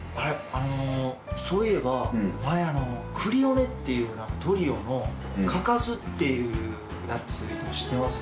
あのそういえば前くりおねっていうトリオの嘉数っていうやつ知ってます？